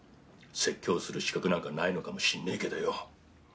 説教する資格なんかないのかもしんねえけどよ。